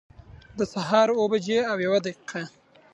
د سهار اوه بجي او یوه دقيقه